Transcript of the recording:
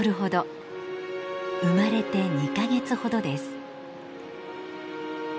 生まれて２か月ほどです。